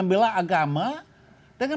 ini betul betul kita membela agama